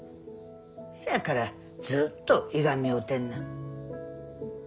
せやからずっといがみ合うてんねん。